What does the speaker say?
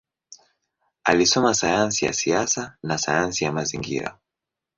Alisoma sayansi ya siasa na sayansi ya mazingira.